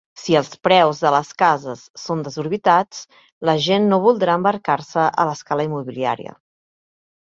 Si els preus de les cases són desorbitats, la gent no voldrà embarcar-se a l'escala immobiliària.